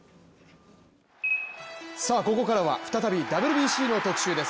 ここからは再びＷＢＣの特集です。